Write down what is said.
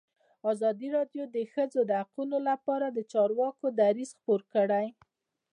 ازادي راډیو د د ښځو حقونه لپاره د چارواکو دریځ خپور کړی.